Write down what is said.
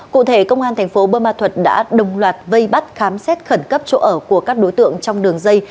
cụ thể công an thành phố bơ ma thuật đã đồng loạt vây bắt khám xét khẩn cấp chỗ ở của các đối tượng trong đường dây